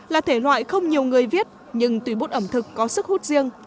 là thể loại không nhiều người viết nhưng tùy bút ẩm thực có sức hút riêng